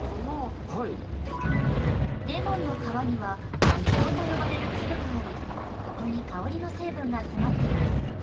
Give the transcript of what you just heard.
レモンの皮には油胞と呼ばれる粒がありここに香りの成分が詰まっています。